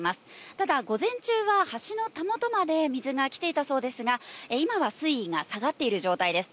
ただ、午前中は橋のたもとまで水が来ていたそうですが、今は水位が下がっている状態です。